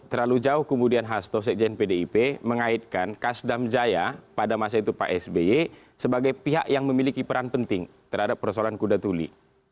terlalu jauh kemudian hasto sekjen pdip mengaitkan kasdam jaya pada masa itu pak sby sebagai pihak yang memiliki peran penting terhadap persoalan kuda tuli